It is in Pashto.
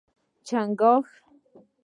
🦀 چنګاښ